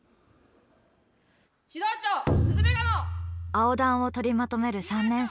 蒼団を取りまとめる３年生。